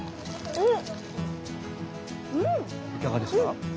うん！